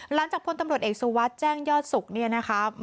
หลังจากพลตำรวจเอกซุวัฏแจ้งยอดสุข